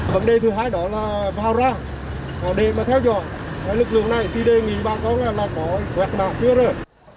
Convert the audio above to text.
vấn đề thứ hai đó là vào ra để mà theo dõi lực lượng này thì đề nghị bà con là có hoạt mạng trước rồi